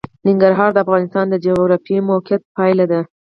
ننګرهار د افغانستان د جغرافیایي موقیعت پایله ده.